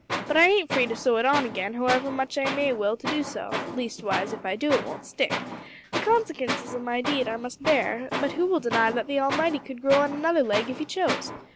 But I ain't free to sew it on again however much I may will to do so leastwise if I do it won't stick. The consekinces o' my deed I must bear, but who will deny that the Almighty could grow on another leg if He chose?